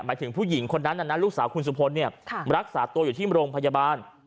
หมายถึงผู้หญิงคนนั้นนั้นลูกสาวคุณสุโพนเนี้ยค่ะรักษาตัวอยู่ที่โรงพยาบาล